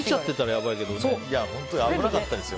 危なかったですよ。